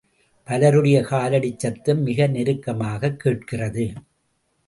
பவருடைய காலடிச் சத்தம் மிக நெருக்கமாகக் கேட்கிறது.